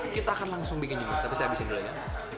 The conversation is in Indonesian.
kita akan langsung bikin dulu tapi saya habisin dulu ya